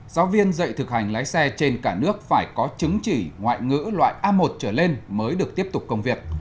giáo viên dạy thực hành lái xe trên cả nước phải có chứng chỉ ngoại ngữ loại a một trở lên mới được tiếp tục công việc